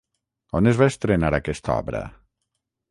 On es va estrenar aquesta obra?